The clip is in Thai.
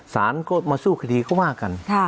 ศาลก็มาสู้คฏีก็มากกัน